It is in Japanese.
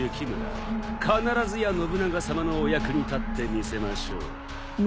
必ずや信長さまのお役に立ってみせましょう。